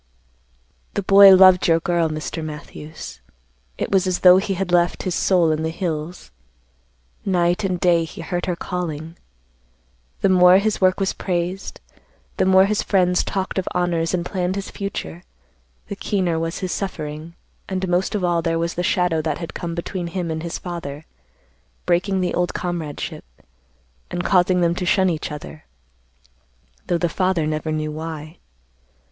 "The boy loved your girl, Mr. Matthews. It was as though he had left his soul in the hills. Night and day he heard her calling. The more his work was praised, the more his friends talked of honors and planned his future, the keener was his suffering, and most of all there was the shadow that had come between him and his father, breaking the old comradeship, and causing them to shun each other; though the father never knew why.